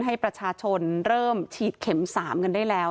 ให้ประชาชนเริ่มฉีดเข็ม๓กันได้แล้ว